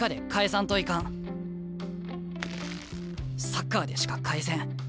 サッカーでしか返せん。